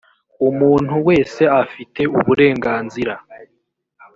umuntu wese afite uburenganzira.